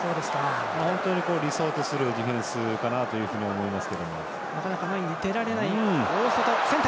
本当に理想とするディフェンスかなと思います。